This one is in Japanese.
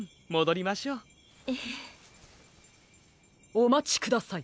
おまちください。